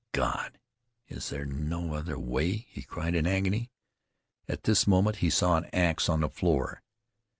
"God! Is there no other way?" he cried in agony. At this moment he saw an ax on the floor.